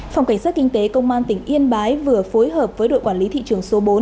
phòng cảnh sát kinh tế công an tỉnh yên bái vừa phối hợp với đội quản lý thị trường số bốn